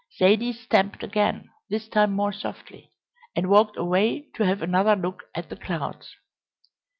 Zaidie stamped again, this time more softly, and walked away to have another look at the clouds.